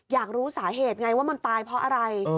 อยากรู้สาเหตุไงว่ามันตายเพราะอะไร